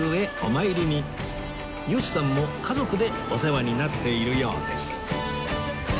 吉さんも家族でお世話になっているようです